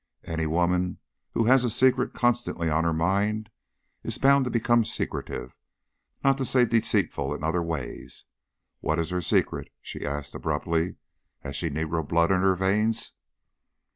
"Any woman who has a secret constantly on her mind is bound to become secretive, not to say deceitful in other ways. What is her secret?" she asked abruptly. "Has she negro blood in her veins?"